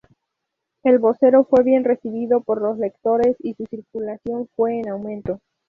El Vocero fue bien recibido por los lectores y su circulación fue en aumento.